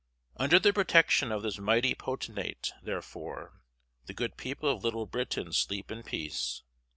Under the protection of this mighty potentate, therefore, the good people of Little Britain sleep in peace.